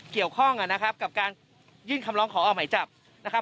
เกี่ยวข้องกับการยื่นคำร้องขอออกใหม่จับ